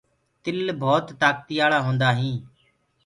تل ڀوت تآڪتيآݪآ ٻج هوندآ هينٚ۔